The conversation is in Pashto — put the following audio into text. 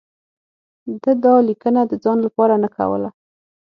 ده دا لیکنه د ځان لپاره نه کوله.